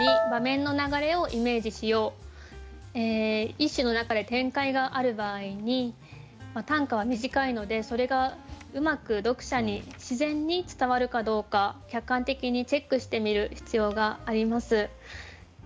一首の中で展開がある場合に短歌は短いのでそれがうまく読者に自然に伝わるかどうか客観的にチェックしてみる必要があります。